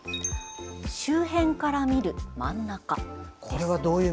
「周辺から見る真ん中」です。